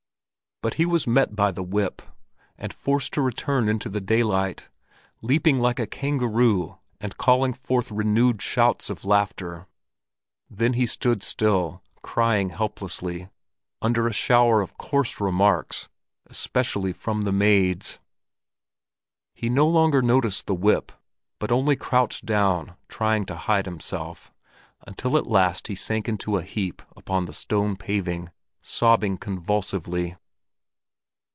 But he was met by the whip, and forced to return into the daylight, leaping like a kangaroo and calling forth renewed shouts of laughter. Then he stood still, crying helplessly, under a shower of coarse remarks, especially from the maids. He no longer noticed the whip, but only crouched down, trying to hide himself, until at last he sank in a heap upon the stone paving, sobbing convulsively.